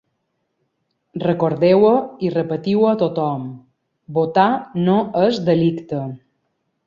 Recordeu-ho i repetiu-ho a tothom: votar no és delicte.